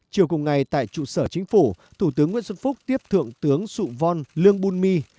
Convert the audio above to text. chiều cùng ngày tại trụ sở chính phủ thủ tướng nguyễn xuân phúc tiếp thượng tướng sụ văn lương bùn my